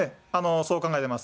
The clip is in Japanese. そう考えてます。